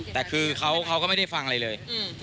แต่คือเขาก็ไม่ได้ฟังอะไรเลย